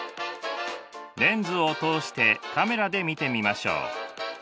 レンズを通してカメラで見てみましょう。